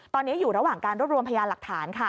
ตอนนี้อยู่ระหว่างการรวบรวมพยานหลักฐานค่ะ